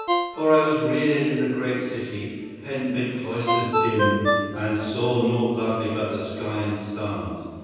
For I was reared In the great city, pent 'mid cloisters dim, And saw nought lovely but the sky and stars.